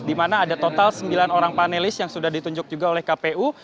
di mana ada total sembilan orang panelis yang sudah ditunjuk juga oleh kpu